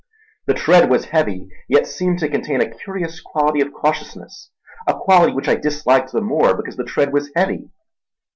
The tread was heavy, yet seemed to contain a curious quality of cautiousness; a quality which I disliked the more because the tread was heavy.